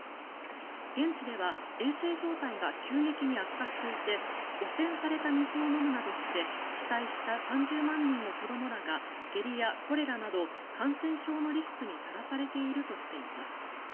現地では衛生状態が急激に悪化していて汚染された水を飲むなどして被災した３０万人の子どもらが下痢やコレラなど感染症のリスクにさらされているとしています。